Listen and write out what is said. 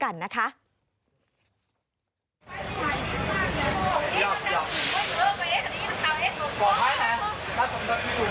ดังนั้นคุณพ่อได้รับทั้ง๑๓ชีวิตกลับสู่อ้อมอก